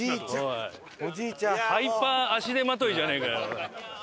ハイパー足手まといじゃねえかよ。